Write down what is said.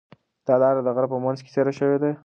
دا لاره د غره په منځ کې تېره شوې ده.